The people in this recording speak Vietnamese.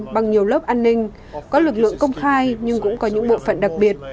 bằng nhiều lớp an ninh có lực lượng công khai nhưng cũng có những bộ phận đặc biệt